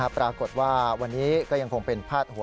ปรากฏว่าวันนี้ก็ยังคงเป็นพาดหัว